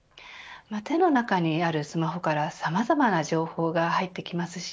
手の中にあるスマホからさまざまな情報が入ってきますし